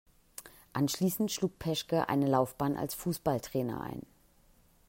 Anschließend schlug Peschke eine Laufbahn als Fußballtrainer ein.